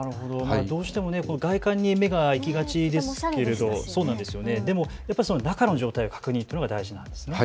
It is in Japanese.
どうしても外観に目がいきがちなんですけど中の状態の確認というのが大事なんですね。